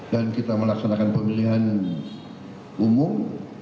dan kita melaksanakan pemilihan umum